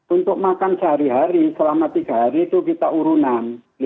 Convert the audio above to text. untuk makan sehari hari selama tiga hari itu kita urunan